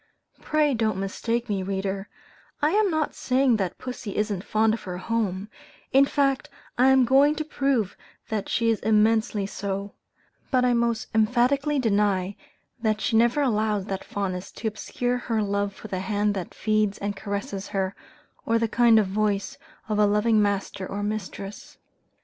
Pray don't mistake me, reader, I am not saying that pussy isn't fond of her home, in fact I am going to prove that she is immensely so; but I most emphatically deny, that she ever allows that fondness, to obscure her love for the hand that feeds and caresses her, or the kind voice of a loving master or mistress.